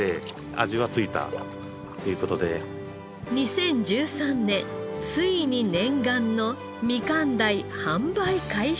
２０１３年ついに念願のみかん鯛販売開始。